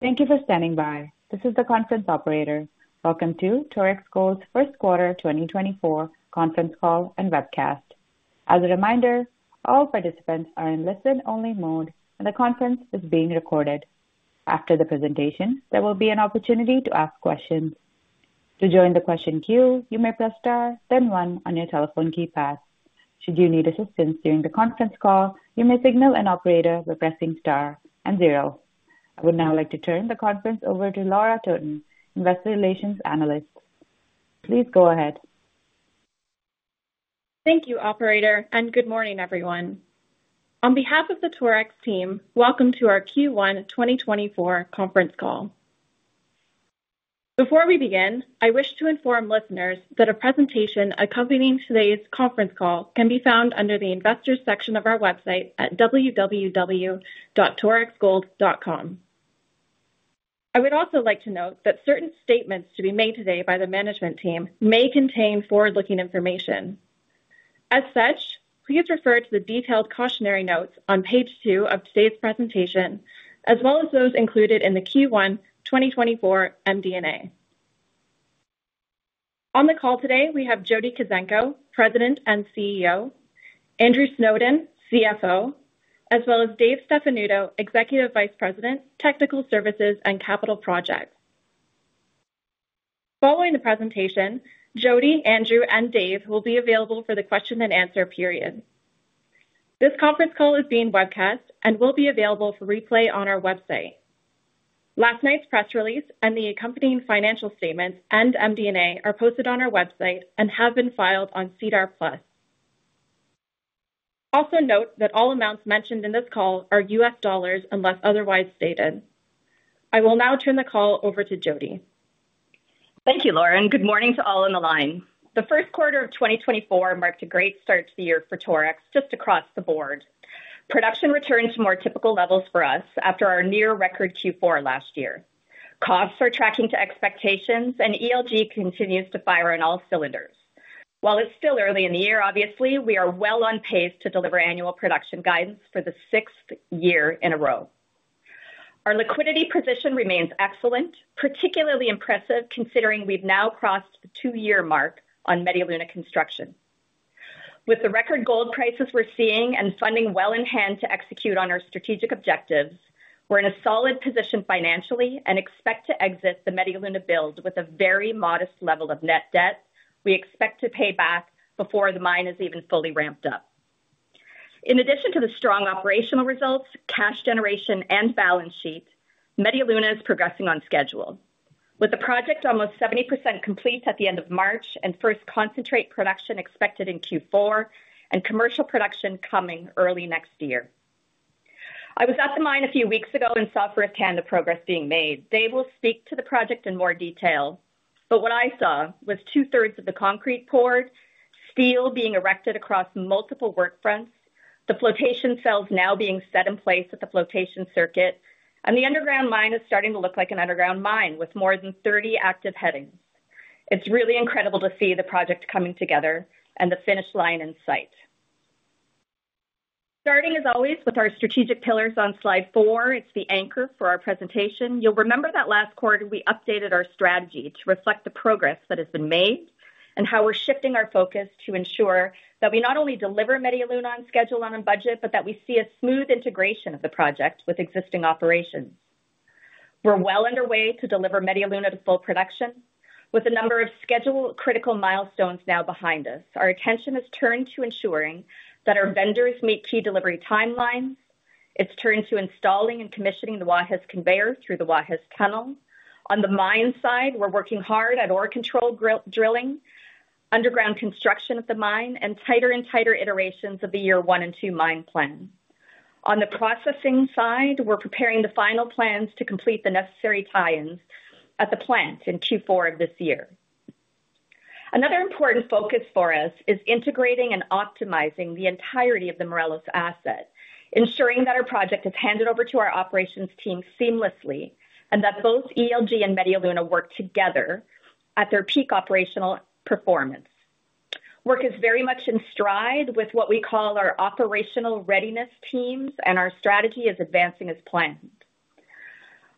Thank you for standing by. This is the conference operator. Welcome to Torex Gold's first quarter 2024 conference call and webcast. As a reminder, all participants are in listen-only mode and the conference is being recorded. After the presentation, there will be an opportunity to ask questions. To join the question queue, you may press star, then 1 on your telephone keypad. Should you need assistance during the conference call, you may signal an operator by pressing star and 0. I would now like to turn the conference over to Laura Totten, Investor Relations Analyst. Please go ahead. Thank you, operator, and good morning, everyone. On behalf of the Torex team, welcome to our Q1 2024 conference call. Before we begin, I wish to inform listeners that a presentation accompanying today's conference call can be found under the Investors section of our website at www.torexgold.com. I would also like to note that certain statements to be made today by the management team may contain forward-looking information. As such, please refer to the detailed cautionary notes on page 2 of today's presentation, as well as those included in the Q1 2024 MD&A. On the call today, we have Jody Kuzenko, President and CEO, Andrew Snowden, CFO, as well as Dave Stefanuto, Executive Vice President, Technical Services and Capital Projects. Following the presentation, Jody, Andrew, and Dave will be available for the question-and-answer period. This conference call is being webcast and will be available for replay on our website. Last night's press release and the accompanying financial statements and MD&A are posted on our website and have been filed on SEDAR+. Also note that all amounts mentioned in this call are U.S. dollars unless otherwise stated. I will now turn the call over to Jody. Thank you, Laura. And good morning to all on the line. The first quarter of 2024 marked a great start to the year for Torex, just across the board. Production returned to more typical levels for us after our near-record Q4 last year. Costs are tracking to expectations, and ELG continues to fire on all cylinders. While it's still early in the year, obviously, we are well on pace to deliver annual production guidance for the sixth year in a row. Our liquidity position remains excellent, particularly impressive considering we've now crossed the two-year mark on Media Luna construction. With the record gold prices we're seeing and funding well in hand to execute on our strategic objectives, we're in a solid position financially and expect to exit the Media Luna build with a very modest level of net debt we expect to pay back before the mine is even fully ramped up. In addition to the strong operational results, cash generation, and balance sheet, Media Luna is progressing on schedule, with the project almost 70% complete at the end of March and first concentrate production expected in Q4 and commercial production coming early next year. I was at the mine a few weeks ago and saw firsthand the progress being made. Dave will speak to the project in more detail, but what I saw was two-thirds of the concrete poured, steel being erected across multiple work fronts, the flotation cells now being set in place at the flotation circuit, and the underground mine is starting to look like an underground mine with more than 30 active headings. It's really incredible to see the project coming together and the finish line in sight. Starting, as always, with our strategic pillars on slide 4, it's the anchor for our presentation. You'll remember that last quarter we updated our strategy to reflect the progress that has been made and how we're shifting our focus to ensure that we not only deliver Media Luna on schedule and on budget, but that we see a smooth integration of the project with existing operations. We're well underway to deliver Media Luna to full production, with a number of schedule-critical milestones now behind us. Our attention is turned to ensuring that our vendors meet key delivery timelines. It's turned to installing and commissioning the Guajes conveyor through the Guajes Tunnel. On the mine side, we're working hard at ore control drilling, underground construction at the mine, and tighter and tighter iterations of the year one and two mine plan. On the processing side, we're preparing the final plans to complete the necessary tie-ins at the plant in Q4 of this year. Another important focus for us is integrating and optimizing the entirety of the Morelos asset, ensuring that our project is handed over to our operations team seamlessly and that both ELG and Media Luna work together at their peak operational performance. Work is very much in stride with what we call our operational readiness teams, and our strategy is advancing as planned.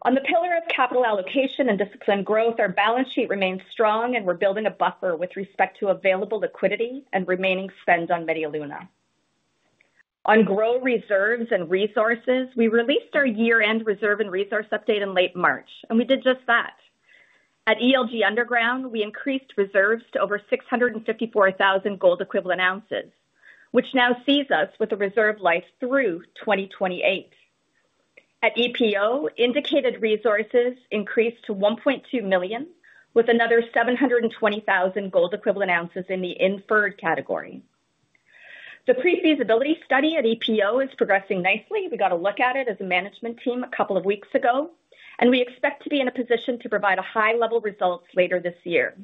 On the pillar of capital allocation and discipline growth, our balance sheet remains strong, and we're building a buffer with respect to available liquidity and remaining spend on Media Luna. On growing reserves and resources, we released our year-end reserve and resource update in late March, and we did just that. At ELG Underground, we increased reserves to over 654,000 gold equivalent ounces, which now sees us with a reserve life through 2028. At EPO, indicated resources increased to 1.2 million, with another 720,000 gold equivalent ounces in the inferred category. The pre-feasibility study at EPO is progressing nicely. We got a look at it as a management team a couple of weeks ago, and we expect to be in a position to provide a high-level result later this year.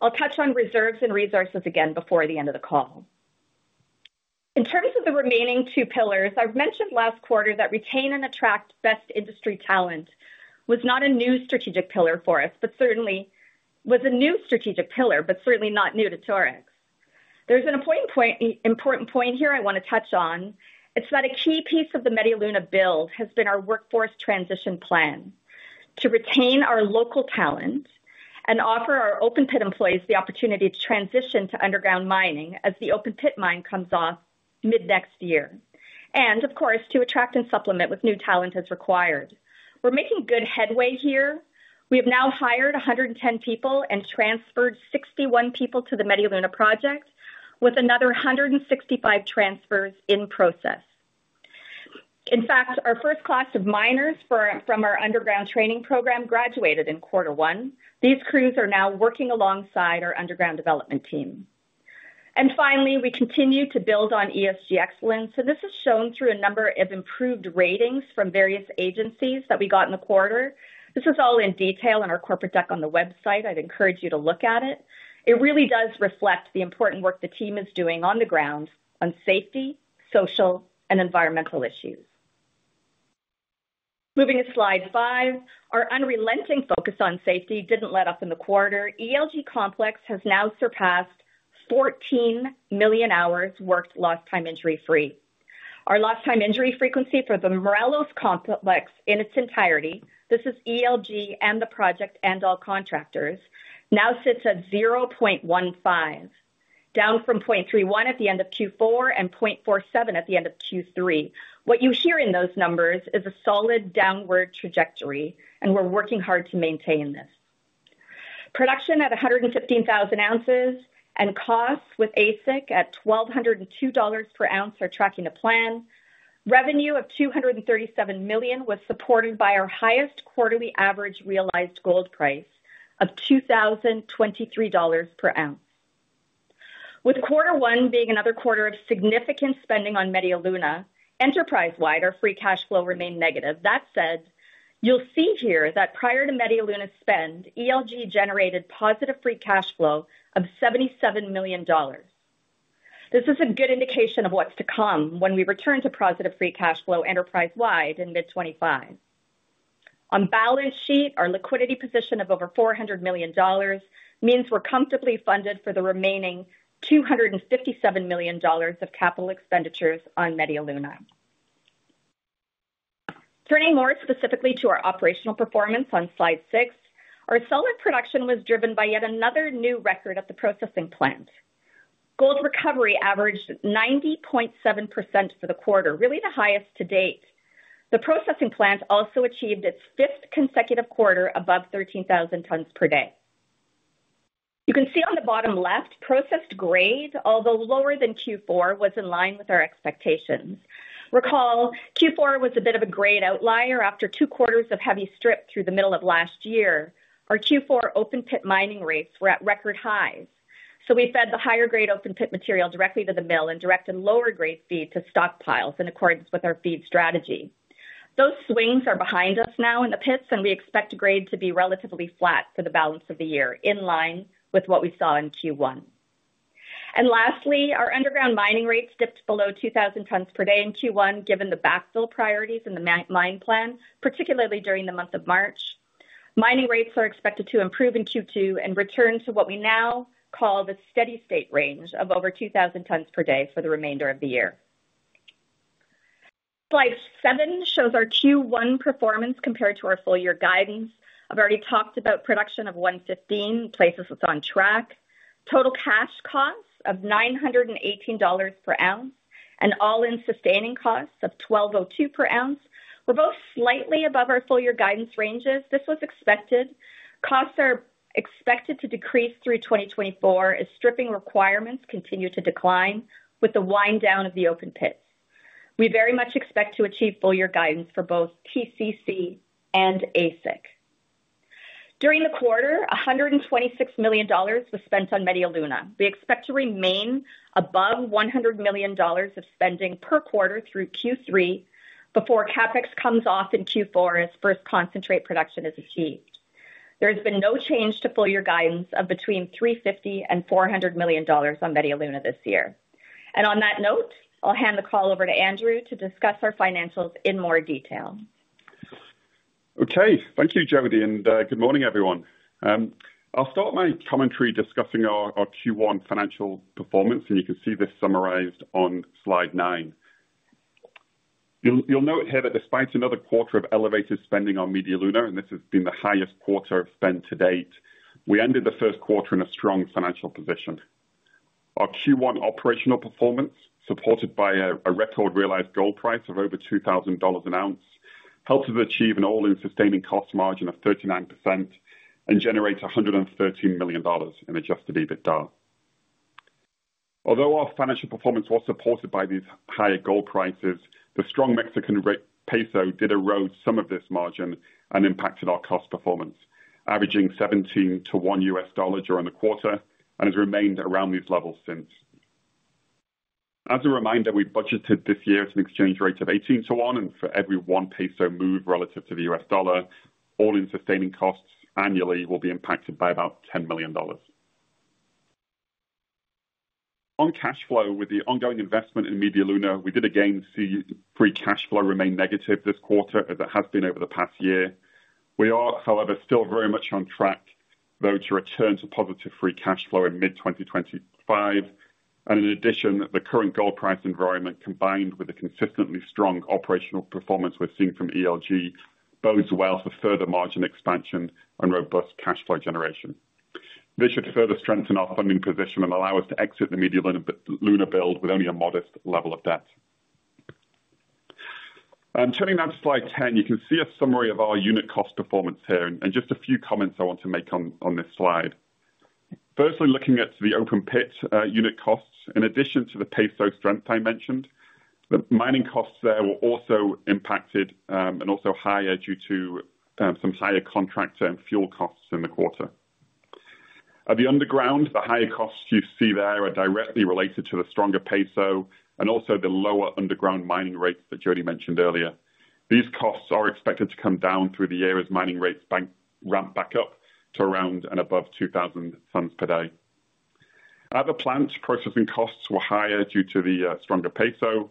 I'll touch on reserves and resources again before the end of the call. In terms of the remaining two pillars, I've mentioned last quarter that retain and attract best industry talent was not a new strategic pillar for us, but certainly was a new strategic pillar, but certainly not new to Torex. There's an important point here I want to touch on. It is a key piece of the Media Luna build has been our workforce transition plan to retain our local talent and offer our open-pit employees the opportunity to transition to underground mining as the open-pit mine comes off mid-next year, and of course, to attract and supplement with new talent as required. We're making good headway here. We have now hired 110 people and transferred 61 people to the Media Luna project, with another 165 transfers in process. In fact, our first class of miners from our underground training program graduated in quarter one. These crews are now working alongside our underground development team. And finally, we continue to build on ESG excellence, and this is shown through a number of improved ratings from various agencies that we got in the quarter. This is all in detail in our corporate deck on the website. I'd encourage you to look at it. It really does reflect the important work the team is doing on the ground on safety, social, and environmental issues. Moving to slide 5, our unrelenting focus on safety didn't let up in the quarter. ELG Complex has now surpassed 14 million hours worked lost time injury-free. Our lost time injury frequency for the Morelos Complex in its entirety, this is ELG and the project and all contractors, now sits at 0.15, down from 0.31 at the end of Q4 and 0.47 at the end of Q3. What you hear in those numbers is a solid downward trajectory, and we're working hard to maintain this. Production at 115,000 ounces and costs with AISC at $1,202 per ounce are tracking the plan. Revenue of $237 million was supported by our highest quarterly average realized gold price of $2,023 per ounce. With quarter one being another quarter of significant spending on Media Luna, enterprise-wide, our free cash flow remained negative. That said, you'll see here that prior to Media Luna's spend, ELG generated positive free cash flow of $77 million. This is a good indication of what's to come when we return to positive free cash flow enterprise-wide in mid-2025. On balance sheet, our liquidity position of over $400 million means we're comfortably funded for the remaining $257 million of capital expenditures on Media Luna. Turning more specifically to our operational performance on slide 6, our solid production was driven by yet another new record at the processing plant. Gold recovery averaged 90.7% for the quarter, really the highest to date. The processing plant also achieved its fifth consecutive quarter above 13,000 tons per day. You can see on the bottom left processed grade, although lower than Q4, was in line with our expectations. Recall, Q4 was a bit of a grade outlier after two quarters of heavy strip through the middle of last year. Our Q4 open-pit mining rates were at record highs, so we fed the higher-grade open-pit material directly to the mill and directed lower-grade feed to stockpiles in accordance with our feed strategy. Those swings are behind us now in the pits, and we expect grade to be relatively flat for the balance of the year, in line with what we saw in Q1. And lastly, our underground mining rates dipped below 2,000 tons per day in Q1 given the backfill priorities in the mine plan, particularly during the month of March. Mining rates are expected to improve in Q2 and return to what we now call the steady-state range of over 2,000 tons per day for the remainder of the year. Slide 7 shows our Q1 performance compared to our full-year guidance. I've already talked about production of 115, places us on track. Total cash costs of $918 per ounce and all-in sustaining costs of $1,202 per ounce were both slightly above our full-year guidance ranges. This was expected. Costs are expected to decrease through 2024 as stripping requirements continue to decline with the wind-down of the open pits. We very much expect to achieve full-year guidance for both TCC and AISC. During the quarter, $126 million was spent on Media Luna. We expect to remain above $100 million of spending per quarter through Q3 before CapEx comes off in Q4 as first concentrate production is achieved. There has been no change to full-year guidance of between $350 and $400 million on Media Luna this year. On that note, I'll hand the call over to Andrew to discuss our financials in more detail. Okay. Thank you, Jody, and good morning, everyone. I'll start my commentary discussing our Q1 financial performance, and you can see this summarized on slide 9. You'll note here that despite another quarter of elevated spending on Media Luna, and this has been the highest quarter of spend to date, we ended the first quarter in a strong financial position. Our Q1 operational performance, supported by a record realized gold price of over $2,000 an ounce, helped us achieve an all-in sustaining cost margin of 39% and generate $113 million in adjusted EBITDA. Although our financial performance was supported by these higher gold prices, the strong Mexican peso did erode some of this margin and impacted our cost performance, averaging 17-to-1 U.S. dollar during the quarter and has remained around these levels since. As a reminder, we budgeted this year at an exchange rate of 18-1, and for every one peso move relative to the U.S. dollar, all-in sustaining costs annually will be impacted by about $10 million. On cash flow, with the ongoing investment in Media Luna, we did again see free cash flow remain negative this quarter as it has been over the past year. We are, however, still very much on track, though, to return to positive free cash flow in mid-2025. And in addition, the current gold price environment, combined with the consistently strong operational performance we're seeing from ELG, bodes well for further margin expansion and robust cash flow generation. This should further strengthen our funding position and allow us to exit the Media Luna build with only a modest level of debt. Turning now to slide 10, you can see a summary of our unit cost performance here and just a few comments I want to make on this slide. Firstly, looking at the open-pit unit costs, in addition to the peso strength I mentioned, the mining costs there were also impacted and also higher due to some higher contractor and fuel costs in the quarter. At the underground, the higher costs you see there are directly related to the stronger peso and also the lower underground mining rates that Jody mentioned earlier. These costs are expected to come down through the year as mining rates ramp back up to around and above 2,000 tons per day. At the plant, processing costs were higher due to the stronger peso.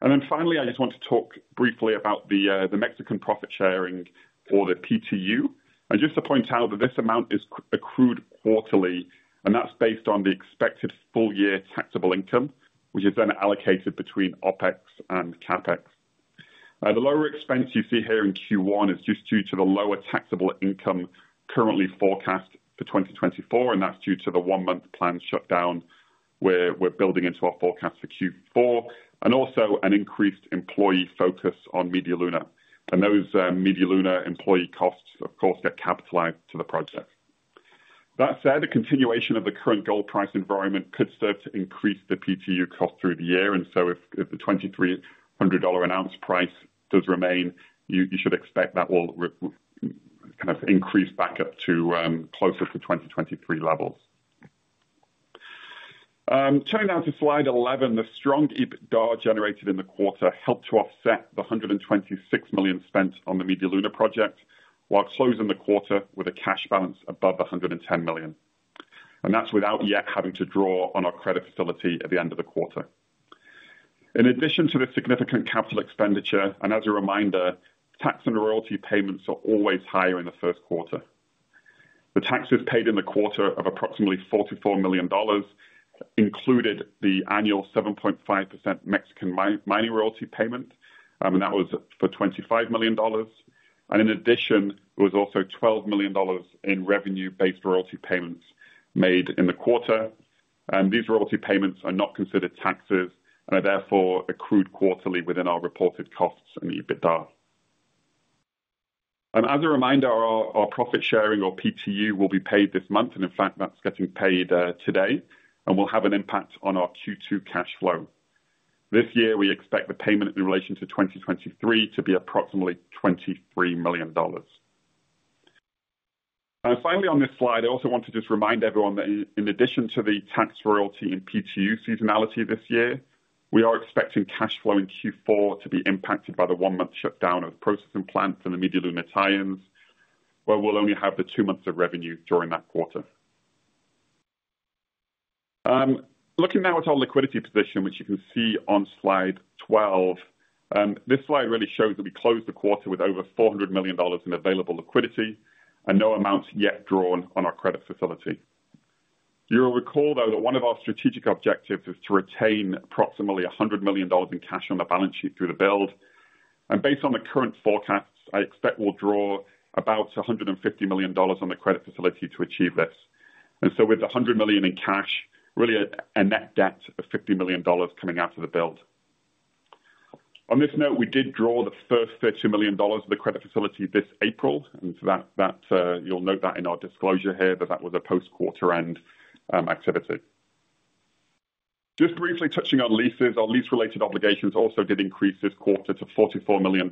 And then finally, I just want to talk briefly about the Mexican profit sharing or the PTU. Just to point out that this amount is accrued quarterly, and that's based on the expected full-year taxable income, which is then allocated between OpEx and CapEx. The lower expense you see here in Q1 is just due to the lower taxable income currently forecast for 2024, and that's due to the one-month planned shutdown we're building into our forecast for Q4 and also an increased employee focus on Media Luna. Those Media Luna employee costs, of course, get capitalized to the project. That said, a continuation of the current gold price environment could serve to increase the PTU cost through the year. So if the $2,300 an ounce price does remain, you should expect that will kind of increase back up to closer to 2023 levels. Turning now to slide 11, the strong EBITDA generated in the quarter helped to offset the $126 million spent on the Media Luna project while closing the quarter with a cash balance above $110 million. And that's without yet having to draw on our credit facility at the end of the quarter. In addition to the significant capital expenditure, and as a reminder, tax and royalty payments are always higher in the first quarter. The taxes paid in the quarter of approximately $44 million included the annual 7.5% Mexican mining royalty payment, and that was for $25 million. And in addition, there was also $12 million in revenue-based royalty payments made in the quarter. And these royalty payments are not considered taxes and are therefore accrued quarterly within our reported costs and EBITDA. As a reminder, our profit sharing or PTU will be paid this month, and in fact, that's getting paid today, and will have an impact on our Q2 cash flow. This year, we expect the payment in relation to 2023 to be approximately $23 million. And finally, on this slide, I also want to just remind everyone that in addition to the tax royalty and PTU seasonality this year, we are expecting cash flow in Q4 to be impacted by the one-month shutdown of the processing plants and the Media Luna tie-ins, where we'll only have the two months of revenue during that quarter. Looking now at our liquidity position, which you can see on slide 12, this slide really shows that we closed the quarter with over $400 million in available liquidity and no amounts yet drawn on our credit facility. You'll recall, though, that one of our strategic objectives is to retain approximately $100 million in cash on the balance sheet through the build. Based on the current forecasts, I expect we'll draw about $150 million on the credit facility to achieve this. So with the $100 million in cash, really a net debt of $50 million coming out of the build. On this note, we did draw the first $30 million of the credit facility this April. So you'll note that in our disclosure here that that was a post-quarter end activity. Just briefly touching on leases, our lease-related obligations also did increase this quarter to $44 million,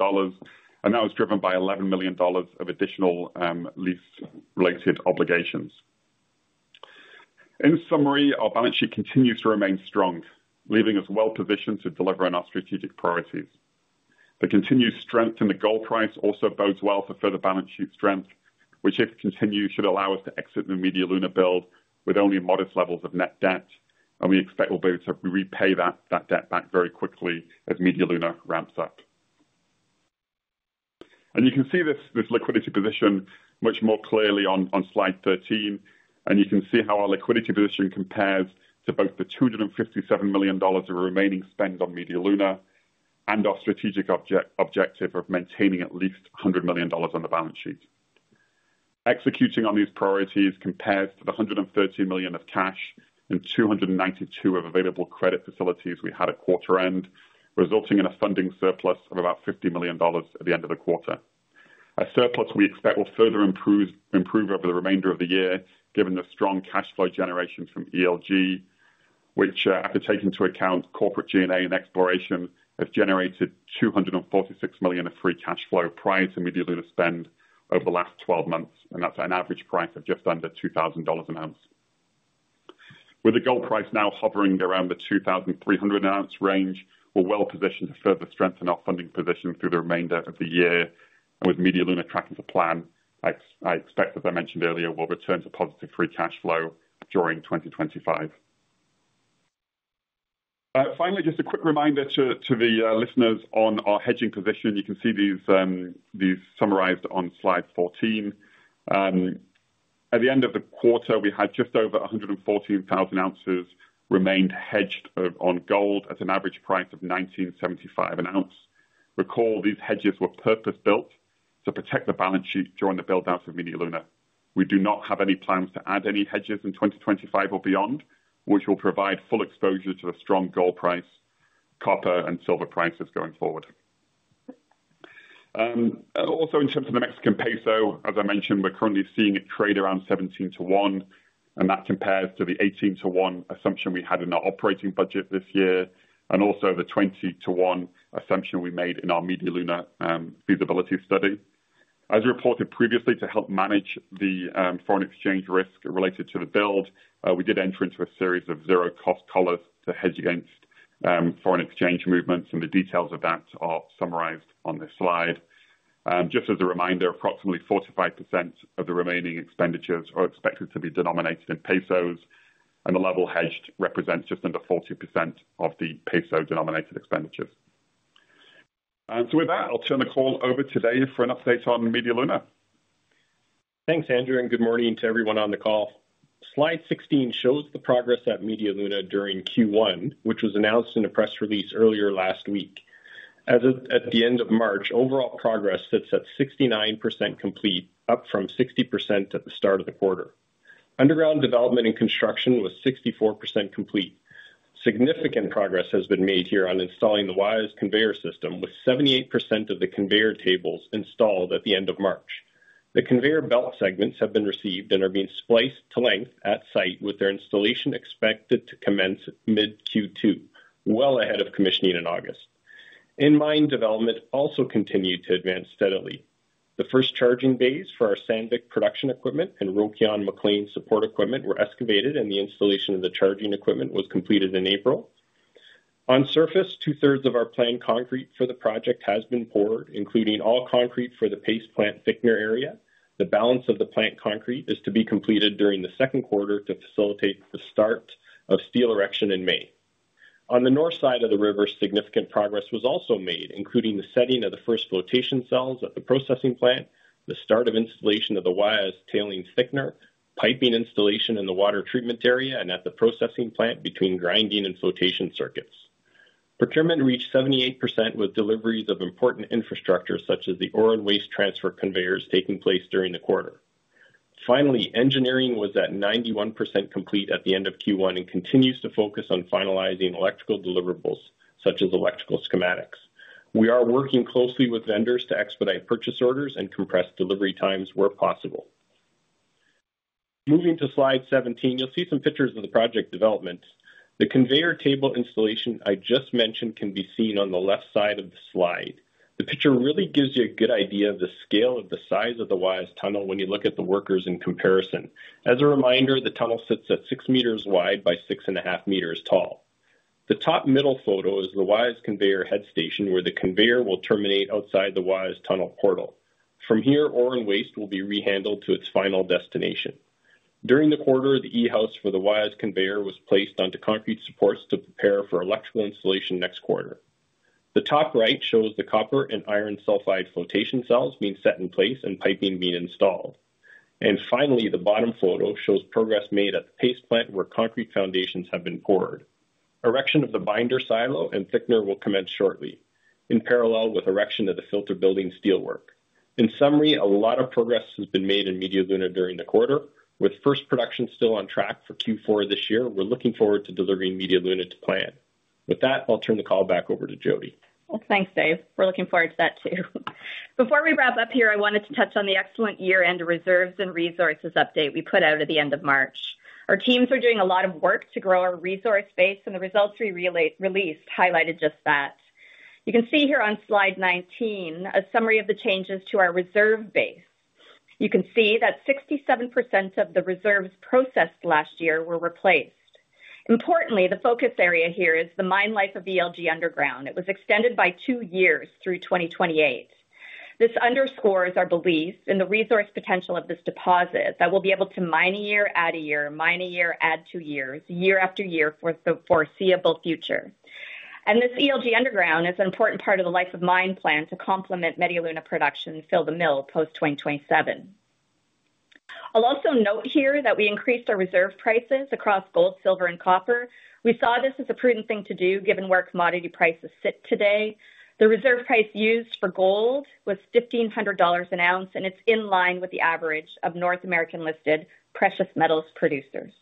and that was driven by $11 million of additional lease-related obligations. In summary, our balance sheet continues to remain strong, leaving us well positioned to deliver on our strategic priorities. The continued strength in the gold price also bodes well for further balance sheet strength, which if continues should allow us to exit the Media Luna build with only modest levels of net debt. We expect we'll be able to repay that debt back very quickly as Media Luna ramps up. You can see this liquidity position much more clearly on slide 13. You can see how our liquidity position compares to both the $257 million of remaining spend on Media Luna and our strategic objective of maintaining at least $100 million on the balance sheet. Executing on these priorities compares to the $113 million of cash and $292 million of available credit facilities we had at quarter end, resulting in a funding surplus of about $50 million at the end of the quarter. A surplus we expect will further improve over the remainder of the year given the strong cash flow generation from ELG, which, after taking into account corporate G&A and exploration, has generated $246 million of free cash flow prior to Media Luna spend over the last 12 months. That's an average price of just under $2,000 an ounce. With the gold price now hovering around the $2,300 an ounce range, we're well positioned to further strengthen our funding position through the remainder of the year. With Media Luna tracking the plan, I expect, as I mentioned earlier, we'll return to positive free cash flow during 2025. Finally, just a quick reminder to the listeners on our hedging position. You can see these summarized on slide 14. At the end of the quarter, we had just over 114,000 ounces remained hedged on gold at an average price of $1,975 an ounce. Recall, these hedges were purpose-built to protect the balance sheet during the build-out of Media Luna. We do not have any plans to add any hedges in 2025 or beyond, which will provide full exposure to the strong gold price, copper, and silver prices going forward. Also, in terms of the Mexican peso, as I mentioned, we're currently seeing it trade around 17-1, and that compares to the 18-1 assumption we had in our operating budget this year and also the 20-1 assumption we made in our Media Luna feasibility study. As reported previously, to help manage the foreign exchange risk related to the build, we did enter into a series of zero-cost collars to hedge against foreign exchange movements, and the details of that are summarized on this slide. Just as a reminder, approximately 45% of the remaining expenditures are expected to be denominated in pesos, and the level hedged represents just under 40% of the peso-denominated expenditures. With that, I'll turn the call over to Dave for an update on Media Luna. Thanks, Andrew, and good morning to everyone on the call. Slide 16 shows the progress at Media Luna during Q1, which was announced in a press release earlier last week. At the end of March, overall progress sits at 69% complete, up from 60% at the start of the quarter. Underground development and construction was 64% complete. Significant progress has been made here on installing the Guajes conveyor system, with 78% of the conveyor tables installed at the end of March. The conveyor belt segments have been received and are being spliced to length at site with their installation expected to commence mid-Q2, well ahead of commissioning in August. In-mine development also continued to advance steadily. The first charging bays for our Sandvik production equipment and Rokion and MacLean support equipment were excavated, and the installation of the charging equipment was completed in April. On surface, two-thirds of our planned concrete for the project has been poured, including all concrete for the paste plant thickener area. The balance of the plant concrete is to be completed during the second quarter to facilitate the start of steel erection in May. On the north side of the river, significant progress was also made, including the setting of the first flotation cells at the processing plant, the start of installation of the Guajes tailings thickener, piping installation in the water treatment area, and at the processing plant between grinding and flotation circuits. Procurement reached 78% with deliveries of important infrastructure such as the ore and waste transfer conveyors taking place during the quarter. Finally, engineering was at 91% complete at the end of Q1 and continues to focus on finalizing electrical deliverables such as electrical schematics. We are working closely with vendors to expedite purchase orders and compress delivery times where possible. Moving to Slide 17, you'll see some pictures of the project development. The conveyor table installation I just mentioned can be seen on the left side of the slide. The picture really gives you a good idea of the scale of the size of the Guajes Tunnel when you look at the workers in comparison. As a reminder, the tunnel sits at 6 m wide by 6.5 m tall. The top middle photo is the Guajes conveyor head station where the conveyor will terminate outside the Guajes Tunnel portal. From here, ore and waste will be rehandled to its final destination. During the quarter, the E-house for the Guajes conveyor was placed onto concrete supports to prepare for electrical installation next quarter. The top right shows the copper and iron sulfide flotation cells being set in place and piping being installed. And finally, the bottom photo shows progress made at the paste plant where concrete foundations have been poured. Erection of the binder silo and thickener will commence shortly, in parallel with erection of the filter building steelwork. In summary, a lot of progress has been made in Media Luna during the quarter. With first production still on track for Q4 this year, we're looking forward to delivering Media Luna to plan. With that, I'll turn the call back over to Jody. Well, thanks, Dave. We're looking forward to that too. Before we wrap up here, I wanted to touch on the excellent year-end reserves and resources update we put out at the end of March. Our teams were doing a lot of work to grow our resource base, and the results we released highlighted just that. You can see here on slide 19 a summary of the changes to our reserve base. You can see that 67% of the reserves processed last year were replaced. Importantly, the focus area here is the mine life of ELG underground. It was extended by two years through 2028. This underscores our belief in the resource potential of this deposit that we'll be able to mine a year, add a year, mine a year, add two years, year after year for the foreseeable future. This ELG Underground is an important part of the life-of-mine plan to complement Media Luna production and fill the mill post-2027. I'll also note here that we increased our reserve prices across gold, silver, and copper. We saw this as a prudent thing to do given where commodity prices sit today. The reserve price used for gold was $1,500 an ounce, and it's in line with the average of North American listed precious metals producers.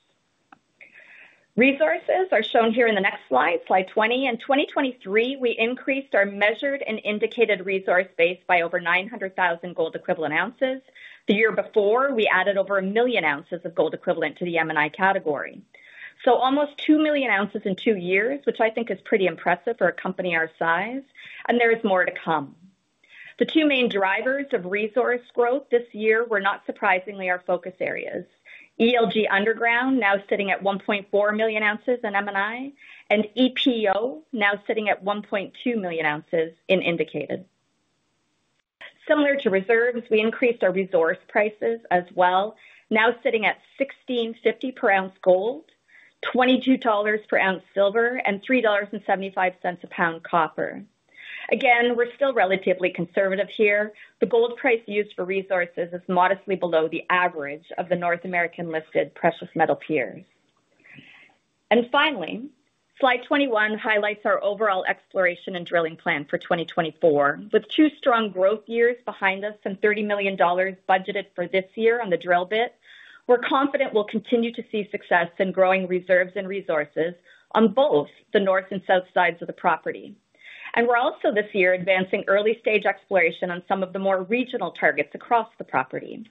Resources are shown here in the next slide, slide 20. In 2023, we increased our measured and indicated resource base by over 900,000 gold equivalent ounces. The year before, we added over 1 million ounces of gold equivalent to the M&I category. So almost 2 million ounces in two years, which I think is pretty impressive for a company our size. There is more to come. The two main drivers of resource growth this year were, not surprisingly, our focus areas: ELG underground now sitting at 1.4 million ounces in M&I and EPO now sitting at 1.2 million ounces in indicated. Similar to reserves, we increased our resource prices as well, now sitting at $1,650 per ounce gold, $22 per ounce silver, and $3.75 a pound copper. Again, we're still relatively conservative here. The gold price used for resources is modestly below the average of the North American listed precious metal peers. And finally, slide 21 highlights our overall exploration and drilling plan for 2024. With two strong growth years behind us and $30 million budgeted for this year on the drill bit, we're confident we'll continue to see success in growing reserves and resources on both the north and south sides of the property. We're also, this year, advancing early-stage exploration on some of the more regional targets across the property.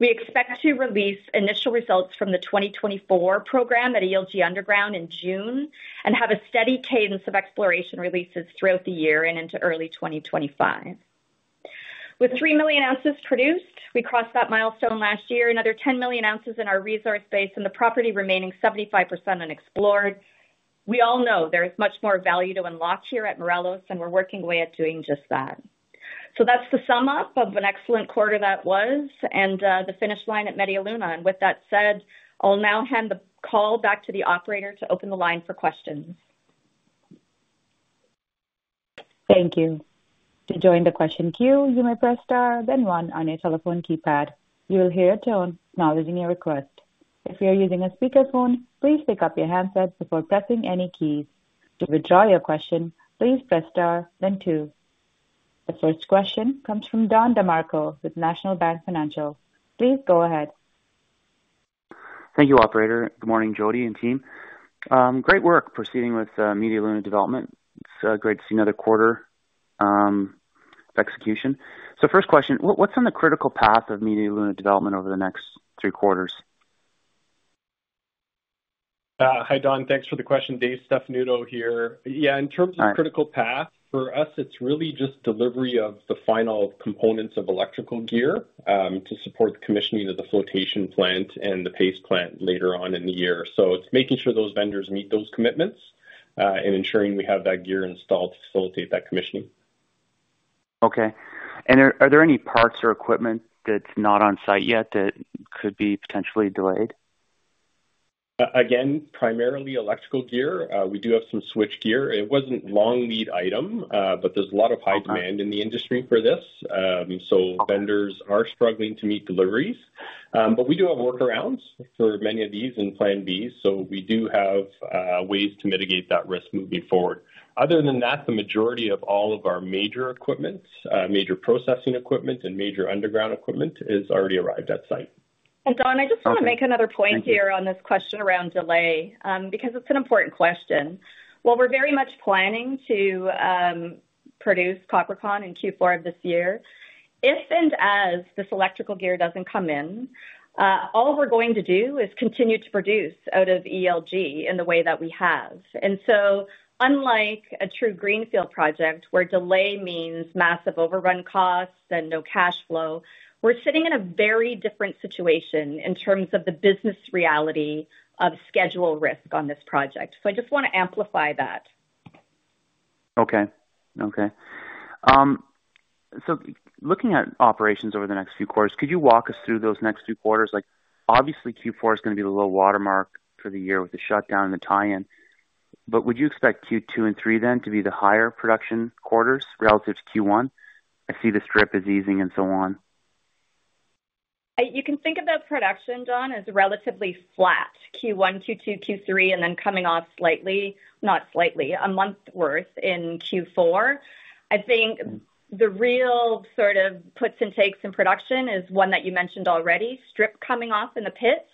We expect to release initial results from the 2024 program at ELG underground in June and have a steady cadence of exploration releases throughout the year and into early 2025. With 3 million ounces produced, we crossed that milestone last year, another 10 million ounces in our resource base, and the property remaining 75% unexplored. We all know there is much more value to unlock here at Morelos, and we're working away at doing just that. That's the sum up of an excellent quarter that was and the finish line at Media Luna. With that said, I'll now hand the call back to the operator to open the line for questions. Thank you. To join the question queue, you may press star, then one on your telephone keypad. You will hear a tone acknowledging your request. If you're using a speakerphone, please pick up your handset before pressing any keys. To withdraw your question, please press star, then two. The first question comes from Don DeMarco with National Bank Financial. Please go ahead. Thank you, operator. Good morning, Jody and team. Great work proceeding with Media Luna development. It's great to see another quarter of execution. First question, what's on the critical path of Media Luna development over the next three quarters? Hi, Don. Thanks for the question. Dave Stefanuto here. Yeah, in terms of critical path, for us, it's really just delivery of the final components of electrical gear to support the commissioning of the flotation plant and the paste plant later on in the year. So it's making sure those vendors meet those commitments and ensuring we have that gear installed to facilitate that commissioning. Okay. Are there any parts or equipment that's not on site yet that could be potentially delayed? Again, primarily electrical gear. We do have some switchgear. It wasn't a long-lead item, but there's a lot of high demand in the industry for this. So vendors are struggling to meet deliveries. But we do have workarounds for many of these in plan B. So we do have ways to mitigate that risk moving forward. Other than that, the majority of all of our major equipment, major processing equipment, and major underground equipment is already arrived at site. Don, I just want to make another point here on this question around delay because it's an important question. While we're very much planning to produce copper concentrate in Q4 of this year, if and as this electrical gear doesn't come in, all we're going to do is continue to produce out of ELG in the way that we have. And so unlike a true greenfield project where delay means massive overrun costs and no cash flow, we're sitting in a very different situation in terms of the business reality of schedule risk on this project. So I just want to amplify that. Okay. Okay. So looking at operations over the next few quarters, could you walk us through those next few quarters? Obviously, Q4 is going to be the low watermark for the year with the shutdown and the tie-in. But would you expect Q2 and 3 then to be the higher production quarters relative to Q1? I see the strip is easing and so on. You can think of the production, Don, as relatively flat: Q1, Q2, Q3, and then coming off slightly—not slightly—a month's worth in Q4. I think the real sort of puts and takes in production is one that you mentioned already: strip coming off in the pits.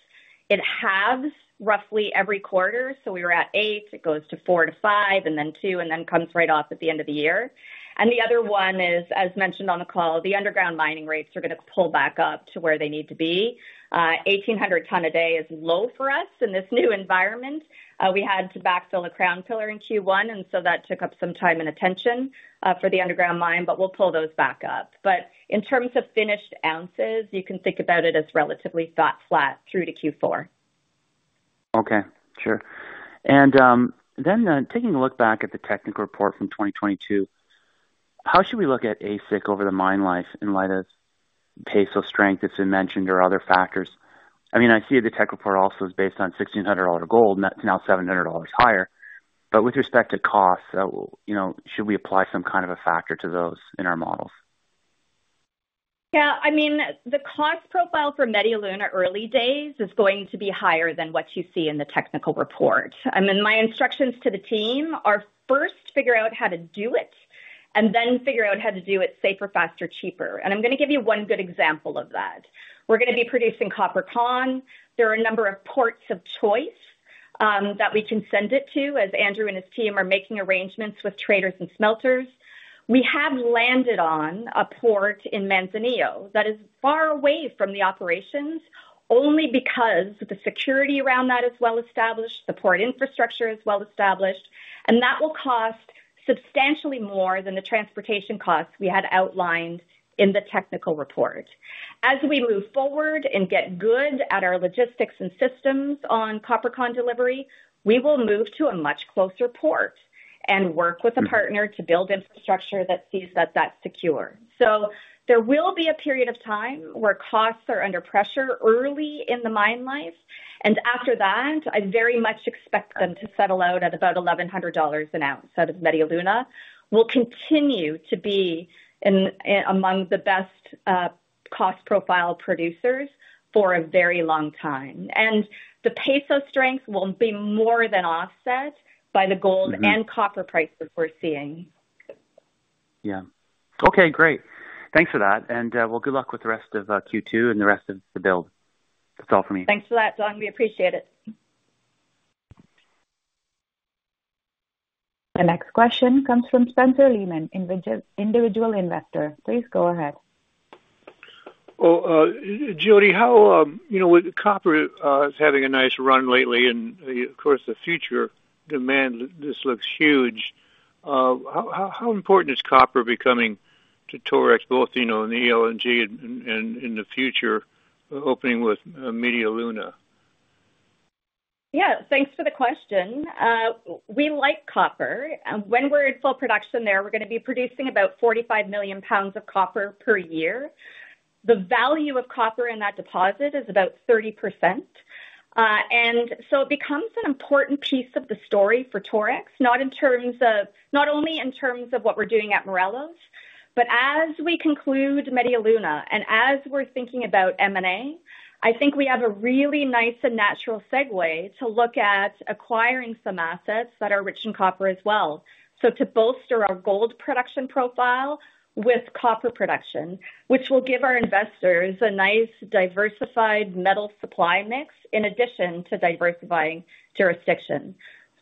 It halves roughly every quarter. So we were at 8. It goes to 4-5 and then 2 and then comes right off at the end of the year. And the other one is, as mentioned on the call, the underground mining rates are going to pull back up to where they need to be. 1,800 tons a day is low for us in this new environment. We had to backfill a crown pillar in Q1, and so that took up some time and attention for the underground mine, but we'll pull those back up. But in terms of finished ounces, you can think about it as relatively flat through to Q4. Okay. Sure. Then taking a look back at the technical report from 2022, how should we look at AISC over the mine life in light of paste plant strength that's been mentioned or other factors? I mean, I see the tech report also is based on $1,600 gold, and that's now $700 higher. But with respect to costs, should we apply some kind of a factor to those in our models? Yeah. I mean, the cost profile for Media Luna early days is going to be higher than what you see in the technical report. I mean, my instructions to the team are first figure out how to do it and then figure out how to do it safer, faster, cheaper. And I'm going to give you one good example of that. We're going to be producing copper concentrate. There are a number of ports of choice that we can send it to as Andrew and his team are making arrangements with traders and smelters. We have landed on a port in Manzanillo that is far away from the operations only because the security around that is well established, the port infrastructure is well established, and that will cost substantially more than the transportation costs we had outlined in the technical report. As we move forward and get good at our logistics and systems on copper concentrate delivery, we will move to a much closer port and work with a partner to build infrastructure that sees that that's secure. So there will be a period of time where costs are under pressure early in the mine life. After that, I very much expect them to settle out at about $1,100 an ounce out of Media Luna. We'll continue to be among the best cost profile producers for a very long time. The paste plant strength will be more than offset by the gold and copper prices we're seeing. Yeah. Okay. Great. Thanks for that. And well, good luck with the rest of Q2 and the rest of the build. That's all from me. Thanks for that, Don. We appreciate it. The next question comes from Spencer Lehman, individual investor. Please go ahead. Well, Jody, with copper having a nice run lately and, of course, the future demand, this looks huge, how important is copper becoming to Torex, both in the ELG and in the future, opening with Media Luna? Yeah. Thanks for the question. We like copper. When we're in full production there, we're going to be producing about 45 million pounds of copper per year. The value of copper in that deposit is about 30%. And so it becomes an important piece of the story for Torex, not only in terms of what we're doing at Morelos, but as we conclude Media Luna and as we're thinking about M&A, I think we have a really nice and natural segue to look at acquiring some assets that are rich in copper as well so to bolster our gold production profile with copper production, which will give our investors a nice diversified metal supply mix in addition to diversifying jurisdiction.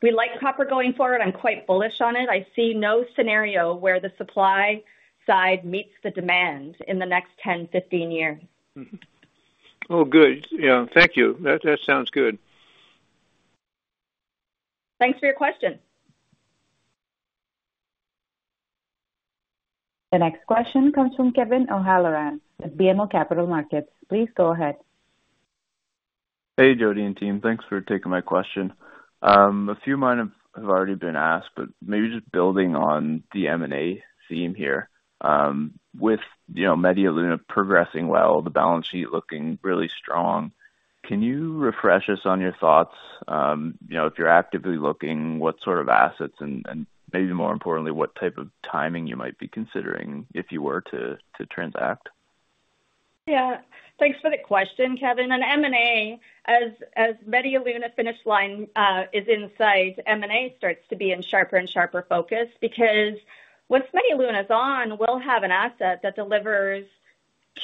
We like copper going forward. I'm quite bullish on it. I see no scenario where the supply side meets the demand in the next 10, 15 years. Oh, good. Yeah. Thank you. That sounds good. Thanks for your question. The next question comes from Kevin O'Halloran at BMO Capital Markets. Please go ahead. Hey, Jody and team. Thanks for taking my question. A few of mine have already been asked, but maybe just building on the M&A theme here. With Media Luna progressing well, the balance sheet looking really strong, can you refresh us on your thoughts? If you're actively looking, what sort of assets and maybe more importantly, what type of timing you might be considering if you were to transact? Yeah. Thanks for the question, Kevin. On M&A, as Media Luna finish line is in sight, M&A starts to be in sharper and sharper focus because once Media Luna is on, we'll have an asset that delivers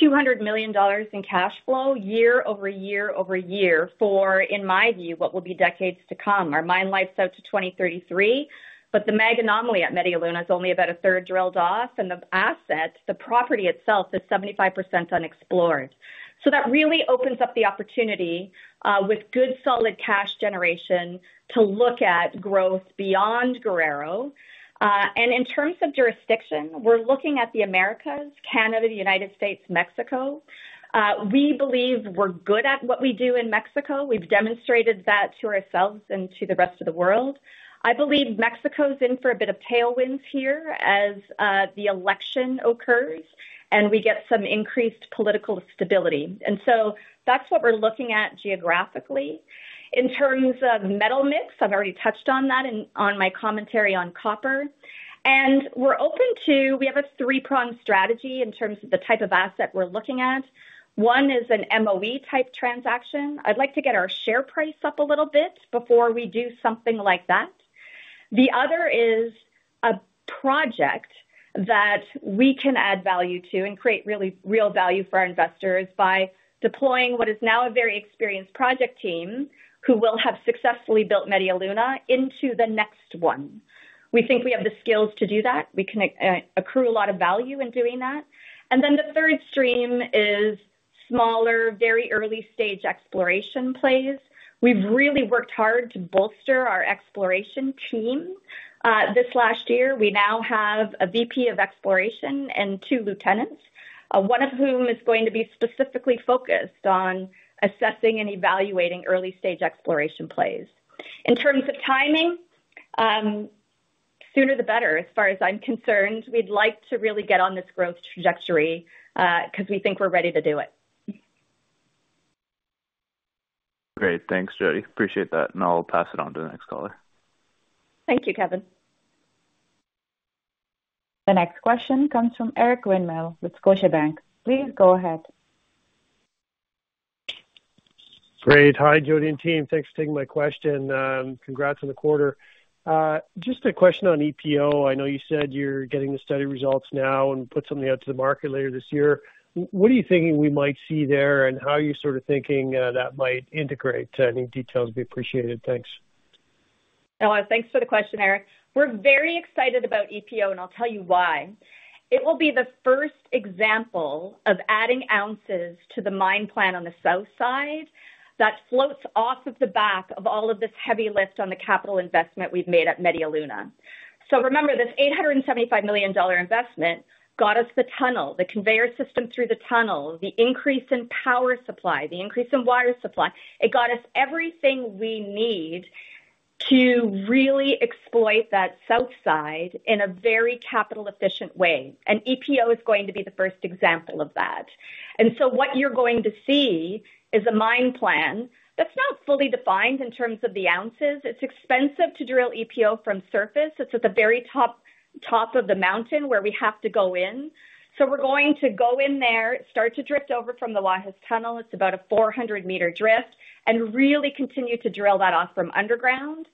$200 million in cash flow year over year over year for, in my view, what will be decades to come. Our mine life's out to 2033, but the Mag anomaly at Media Luna is only about a third drilled off. And the asset, the property itself, is 75% unexplored. So that really opens up the opportunity with good solid cash generation to look at growth beyond Guerrero. And in terms of jurisdiction, we're looking at the Americas: Canada, the United States, Mexico. We believe we're good at what we do in Mexico. We've demonstrated that to ourselves and to the rest of the world. I believe Mexico's in for a bit of tailwinds here as the election occurs and we get some increased political stability. So that's what we're looking at geographically. In terms of metal mix, I've already touched on that in my commentary on copper. And we're open to—we have a three-pronged strategy in terms of the type of asset we're looking at. One is an M&A-type transaction. I'd like to get our share price up a little bit before we do something like that. The other is a project that we can add value to and create really real value for our investors by deploying what is now a very experienced project team who will have successfully built Media Luna into the next one. We think we have the skills to do that. We can accrue a lot of value in doing that. And then the third stream is smaller, very early-stage exploration plays. We've really worked hard to bolster our exploration team this last year. We now have a VP of exploration and two lieutenants, one of whom is going to be specifically focused on assessing and evaluating early-stage exploration plays. In terms of timing, sooner the better as far as I'm concerned. We'd like to really get on this growth trajectory because we think we're ready to do it. Great. Thanks, Jody. Appreciate that. I'll pass it on to the next caller. Thank you, Kevin. The next question comes from Eric Winmill with Scotiabank. Please go ahead. Great. Hi, Jody and team. Thanks for taking my question. Congrats on the quarter. Just a question on EPO. I know you said you're getting the study results now and put something out to the market later this year. What are you thinking we might see there and how are you sort of thinking that might integrate? Any details would be appreciated. Thanks. Thanks for the question, Eric. We're very excited about EPO, and I'll tell you why. It will be the first example of adding ounces to the mine plan on the south side that floats off of the back of all of this heavy lift on the capital investment we've made at Media Luna. So remember, this $875 million investment got us the tunnel, the conveyor system through the tunnel, the increase in power supply, the increase in water supply. It got us everything we need to really exploit that south side in a very capital-efficient way. And EPO is going to be the first example of that. And so what you're going to see is a mine plan that's not fully defined in terms of the ounces. It's expensive to drill EPO from surface. It's at the very top of the mountain where we have to go in. So we're going to go in there, start to drift over from the Guajes Tunnel. It's about a 400 m drift, and really continue to drill that off from underground,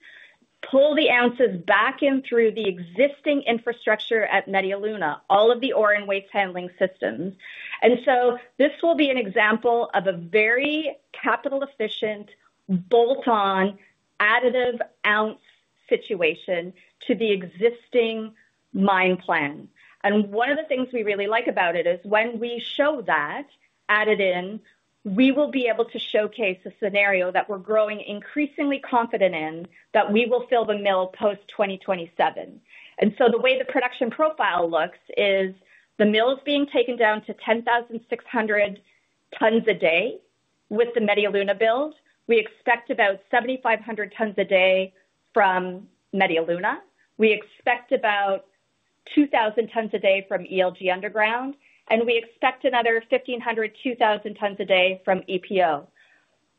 pull the ounces back in through the existing infrastructure at Media Luna, all of the ore and waste handling systems. And so this will be an example of a very capital-efficient, bolt-on, additive ounce situation to the existing mine plan. And one of the things we really like about it is when we show that added in, we will be able to showcase a scenario that we're growing increasingly confident in that we will fill the mill post-2027. And so the way the production profile looks is the mill is being taken down to 10,600 tons a day with the Media Luna build. We expect about 7,500 tons a day from Media Luna. We expect about 2,000 tons a day from ELG underground. We expect another 1,500-2,000 tons a day from EPO.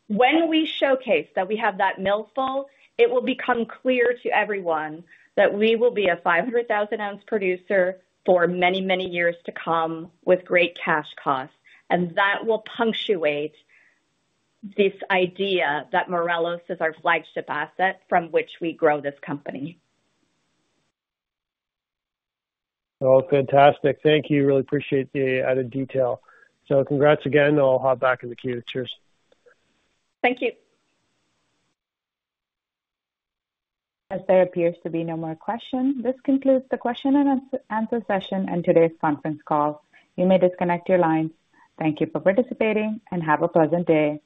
When we showcase that we have that mill full, it will become clear to everyone that we will be a 500,000-ounce producer for many, many years to come with great cash costs. That will punctuate this idea that Morelos is our flagship asset from which we grow this company. Well, fantastic. Thank you. Really appreciate the added detail. So congrats again. I'll hop back in the queue. Cheers. Thank you. As there appears to be no more questions, this concludes the question and answer session and today's conference call. You may disconnect your lines. Thank you for participating, and have a pleasant day.